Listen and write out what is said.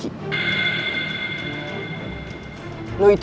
ini dan itu